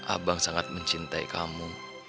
abang sangat mencintai kamu